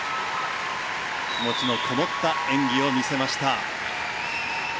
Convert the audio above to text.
気持ちのこもった演技を見せました。